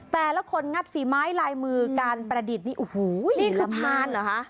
แต่ละคนงัดฝีไม้ลายมือการประดิษฐ์นี่โอ้โหนี่คือพานเหรอคะ